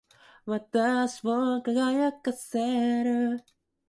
He was an expert in the topography of Rome and its hinterland.